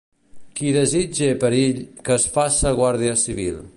Qui desitge perill, que es faça guàrdia civil.